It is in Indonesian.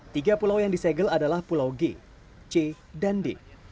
tiga pulau yang disegel adalah pulau g c dan d